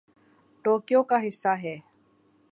Tokyo کا حصہ ہے